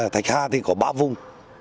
thạch hà thì có ba vùng